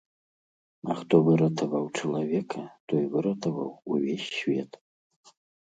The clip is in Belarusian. А хто выратаваў чалавека, той выратаваў увесь свет.